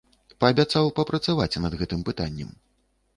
Паабяцаў папрацаваць над гэтым пытаннем.